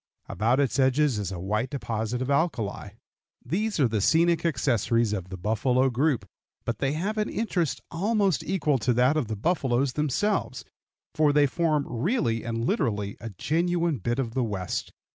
About its edges is a white deposit of alkali. These are the scenic accessories of the buffalo group, but they have an interest almost equal to that of the buffaloes themselves, for they form really and literally a genuine bit of the West.